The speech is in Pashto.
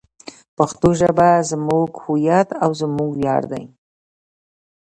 پښتو ژبه زموږ هویت او زموږ ویاړ دی.